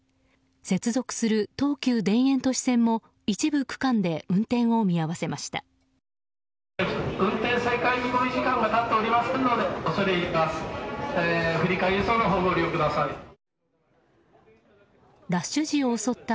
接続する東急田園都市線も一部区間で運転を見合わせました。